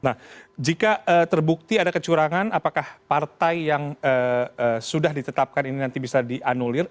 nah jika terbukti ada kecurangan apakah partai yang sudah ditetapkan ini nanti bisa dianulir